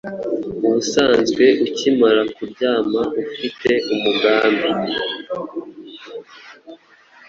Ubusanzwe ukimara kuryama ufite umugambi